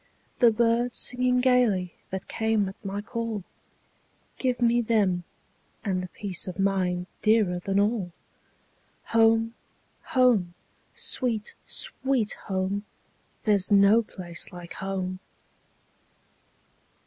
The birds singing gayly that came at my call;—Give me them,—and the peace of mind dearer than all! Home! home! sweet, sweet home! There 's no place like home!